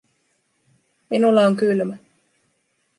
Minulla on kylmä